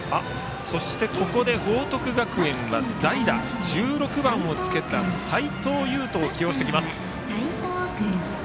そして報徳学園は代打、１６番をつけた齋藤佑征を起用してきます。